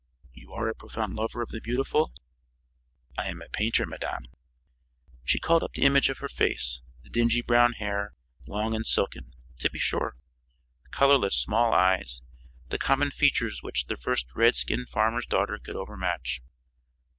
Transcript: "You are a profound lover of the beautiful?" "I am a painter, madame." She called up the image of her face the dingy brown hair, long and silken, to be sure; the colorless, small eyes; the common features which the first red skinned farmer's daughter could overmatch.